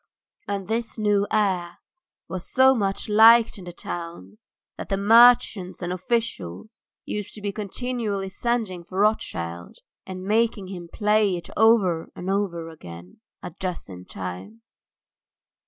..." And this new air was so much liked in the town that the merchants and officials used to be continually sending for Rothschild and making him play it over and over again a dozen times.